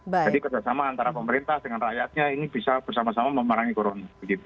jadi kerjasama antara pemerintah dengan rakyatnya ini bisa bersama sama memerangi corona